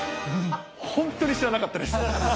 本当に知らなかったです。